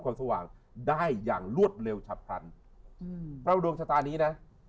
ความสว่างได้อย่างลวดเร็วชัดแต่ว่าดวงชะตานี้นะ